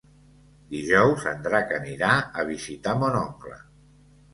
Dijous en Drac anirà a visitar mon oncle.